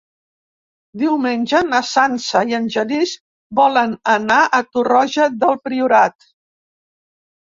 Diumenge na Sança i en Genís volen anar a Torroja del Priorat.